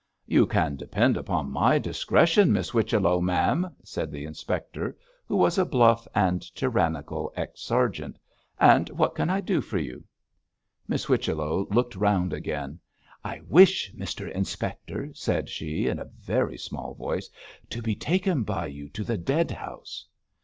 'You can depend upon my discretion, Miss Whichello, ma'am,' said the inspector, who was a bluff and tyrannical ex sergeant. 'And what can I do for you?' Miss Whichello looked round again. 'I wish, Mr Inspector,' said she, in a very small voice, 'to be taken by you to the dead house.'